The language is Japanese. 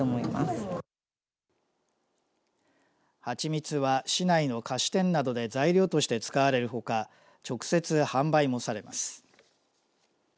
蜂蜜は、市内の菓子店などで材料として使われるほか直接、販売もされます。